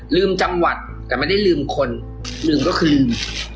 จังหวัดแต่ไม่ได้ลืมคนลืมก็คือลืม